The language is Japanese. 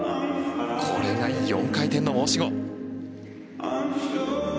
これが４回転の申し子。